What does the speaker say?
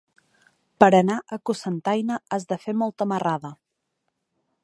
Per anar a Cocentaina has de fer molta marrada.